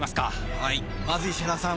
はいまず石原さん